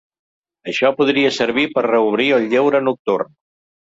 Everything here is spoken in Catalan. Això podria servir per reobrir el lleure nocturn.